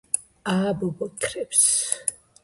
ააბობოქრებს